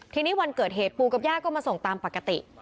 ทีนี้วันเกิดเหตุปูกับย่าก็มาส่งตามปกติ